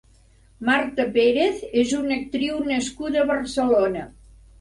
Marta Pérez és una actriu nascuda a Barcelona.